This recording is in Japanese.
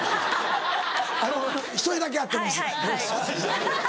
あの１人だけ会ってます。